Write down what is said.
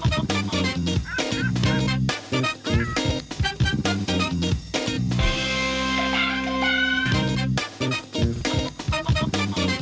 ขอบคุณครับ